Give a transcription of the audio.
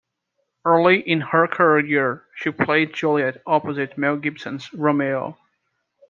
Early in her career, she played Juliet opposite Mel Gibson's Romeo.